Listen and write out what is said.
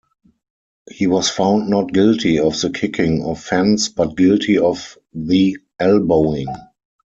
He was found not guilty of the kicking offence, but guilty of the elbowing.